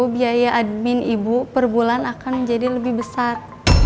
biaya admin ibu per bulan akan menjadi lebih besar